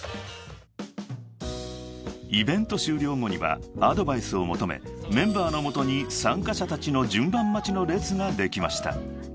［イベント終了後にはアドバイスを求めメンバーの元に参加者たちの順番待ちの列ができました］